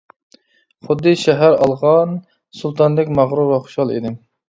خۇددى شەھەر ئالغان سۇلتاندەك مەغرۇر ۋە خۇشال ئىدىم.